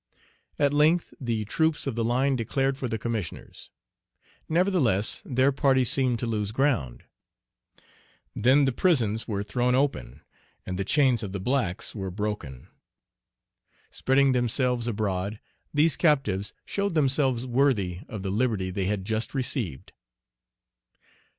At length the troops of the line declared for the Commissioners. Nevertheless, their party seemed to lose ground. Then the prisons were thrown open, and the chains of the blacks were broken. Spreading themselves abroad, these captives showed themselves worthy of the liberty they had just received.